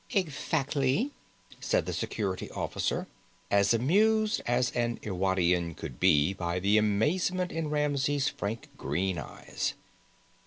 "Ecthactly," said the Security Officer, as amused as an Irwadian could be by the amazement in Ramsey's frank green eyes.